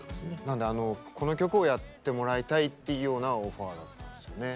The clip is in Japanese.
なので「この曲をやってもらいたい」っていうようなオファーだったんですよね。